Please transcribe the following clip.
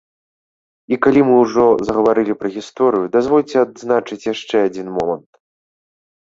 І калі мы ўжо загаварылі пра гісторыю, дазвольце адзначыць яшчэ адзін момант.